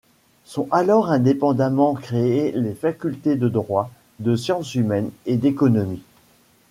Sont alors indépendamment créées les facultés de Droit, de Sciences humaines et d'Économie.